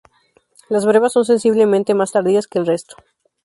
Las brevas son sensiblemente más tardías que el resto.